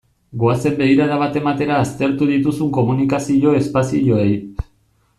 Goazen begirada bat ematera aztertu dituzun komunikazio espazioei.